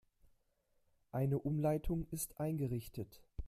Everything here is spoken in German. Eine Umleitung ist eingerichtet.